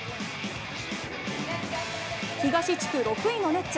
東地区６位のネッツ。